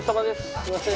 すみません。